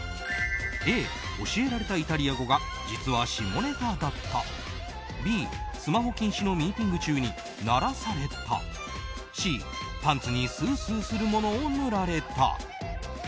Ａ、教えられたイタリア語が実は下ネタだったＢ、スマホ禁止のミーティング中に鳴らされたＣ、パンツにスースーするものを塗られた。